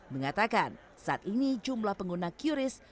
mengatakan saat ini jumlah pengguna qris